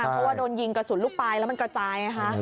เพราะว่าโดนยิงกระสุนลูกปลายแล้วมันกระจายไงคะ